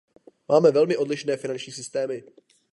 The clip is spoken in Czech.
Máme velmi odlišné finanční systémy.